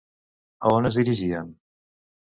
A on es dirigien?